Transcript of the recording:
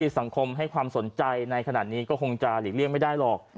สังคมให้ความสนใจในขณะนี้ก็คงจะหลีกเลี่ยงไม่ได้หรอก